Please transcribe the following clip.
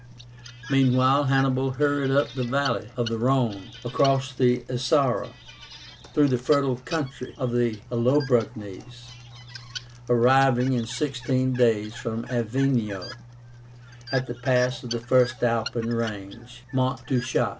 Meanwhile Hannibal hurried up the valley of the Rhone, across the Isara, through the fertile country of the Allobroges, arriving, in sixteen days from Avenio, at the pass of the first Alpine range (Mont du Chat).